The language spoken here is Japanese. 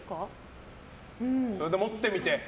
それで持ってみて。